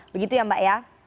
begitu ya mbak ya